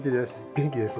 元気です？